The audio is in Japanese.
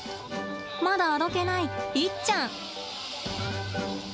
まだあどけない、イッちゃん。